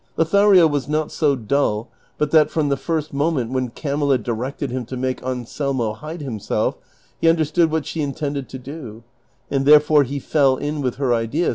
Lothario w^as not so dull but that from the first moment when Camilla directed him to make Anselmo hide himself lie understood what she intended to do, and therefore lie fell in with her idea